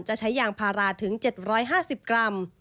จะใช้ยางพาราถึง๗๕๐กรัม